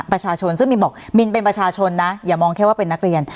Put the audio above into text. ประชาชนซึ่งมินบอกมินเป็นประชาชนนะอย่ามองแค่ว่าเป็นนักเรียน